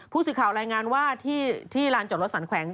ผู้สื่อข่าวรายงานว่าที่ลานจอดรถสรรแขวง